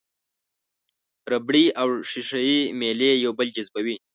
ربړي او ښيښه یي میلې یو بل جذبوي.